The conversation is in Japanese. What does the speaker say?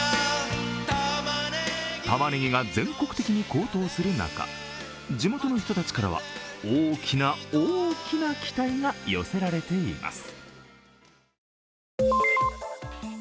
たまねぎが全国的に高騰する中、地元の人たちからは大きな大きな期待が寄せられています。